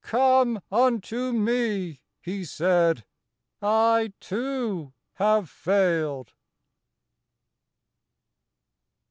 Come unto Me,' He said; 'I, too, have failed.